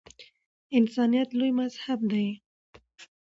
انسانیت لوی مذهب دی